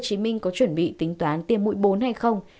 chúng ta có chuẩn bị tính toán tiêm mũi bốn hay không